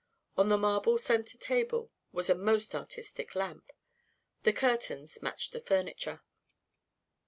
On the marble centre table was a most artistic lamp. The curtains matched the furniture.